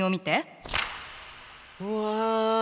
うわ！